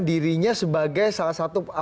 dirinya sebagai salah satu